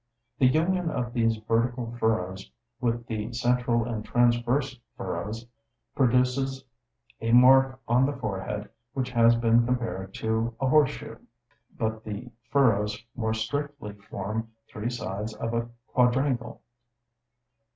The union of these vertical furrows with the central and transverse furrows (see figs. 2 and 3) produces a mark on the forehead which has been compared to a horse shoe; but the furrows more strictly form three sides of a quadrangle.